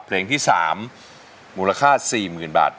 เพลงที่สามมูลค่าสี่หมื่นบาท